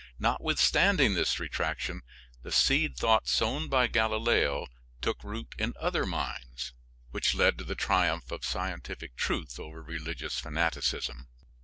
Notwithstanding this retraction the seed thought sown by Galileo took root in other minds, which led to the triumph of scientific truth over religious fanaticism.